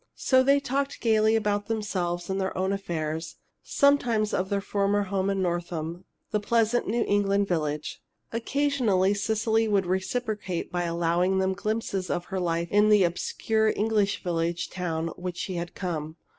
So they talked gaily about themselves and their own affairs, sometimes of their former home in Northam, the pleasant New England village. Occasionally Cecily would reciprocate by allowing them glimpses of her life in the obscure little English town from which she had come.